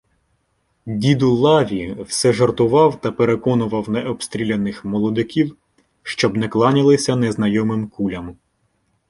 Діду лаві все жартував та переконував необстріляних молодиків, щоб не кланялися незнайомим кулям.